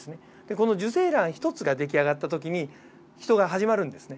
この受精卵１つができあがった時にヒトが始まるんですね。